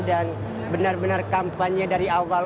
dan benar benar kampanye dari awal